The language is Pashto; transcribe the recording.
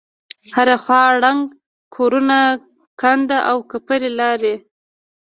هره خوا ړنگ کورونه کند وکپرې لارې.